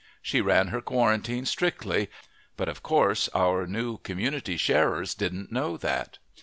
She ran her quarantine strictly, but, of course, our new community sharers didn't know that.